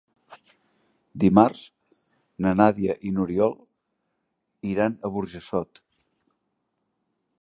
Dimarts na Nàdia i n'Oriol iran a Burjassot.